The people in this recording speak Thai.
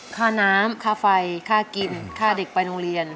ค่าน้ำค่าไฟค่ากินค่าเด็กไปโรงเรียน